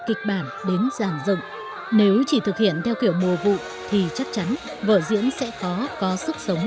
kịch bản đến giàn dựng nếu chỉ thực hiện theo kiểu mùa vụ thì chắc chắn vở diễn sẽ khó có sức sống